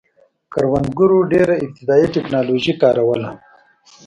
کروندګرو ډېره ابتدايي ټکنالوژي کاروله